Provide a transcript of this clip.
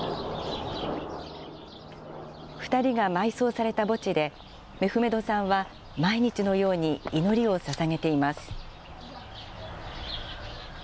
２人が埋葬された墓地で、メフメドさんは、毎日のように祈りをささげています。